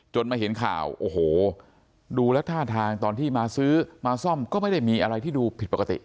มาเห็นข่าวโอ้โหดูแล้วท่าทางตอนที่มาซื้อมาซ่อมก็ไม่ได้มีอะไรที่ดูผิดปกติ